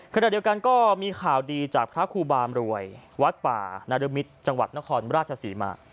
ขณะเดียวกันก็มีข่าวดีจากพระครูบามรวยวัดป่านรมิตรจังหวัดนครราชศรีมา